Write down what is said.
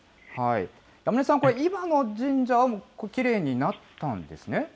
山根さん、今の神社はきれいになったんですね。